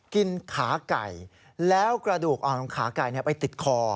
กินขาไก่แล้วกระดูกอ่อนของขาไก่ไปติดคอ